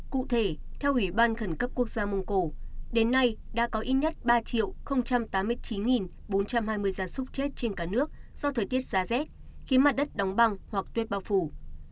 cụ thể theo ủy ban khẩn cấp quốc gia mông cổ đến nay đã có ít nhất ba tám mươi chín bốn trăm hai mươi gia súc chết trên cả nước do thời tiết giá rét khiến mặt đất đóng băng hoặc tuyết bao phủ